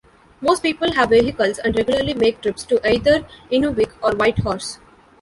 Most people have vehicles and regularly make trips to either Inuvik, or Whitehorse.